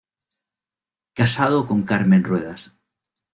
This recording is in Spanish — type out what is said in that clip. Casado con Carmen Ruedas.